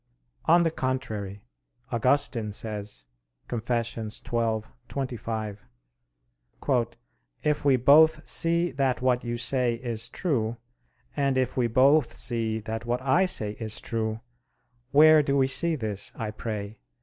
On the contrary, Augustine says (Confess. xii, 25): "If we both see that what you say is true, and if we both see that what I say is true, where do we see this, I pray?